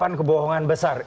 ada delapan kebohongan besar